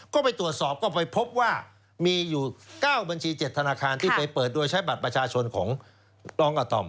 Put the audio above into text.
ก็ไปตรวจสอบก็ไปพบว่ามีอยู่๙บัญชี๗ธนาคารที่ไปเปิดโดยใช้บัตรประชาชนของรองอาต่อม